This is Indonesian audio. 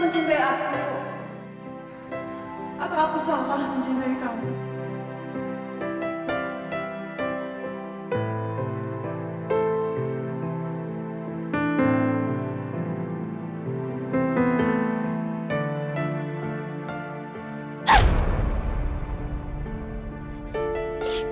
silahkan gunta siapa kamu